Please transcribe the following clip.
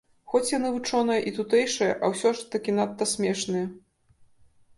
Хоць яны і вучоныя і тутэйшыя, а ўсё ж такі надта смешныя.